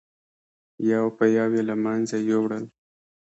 یو په یو یې له منځه یووړل.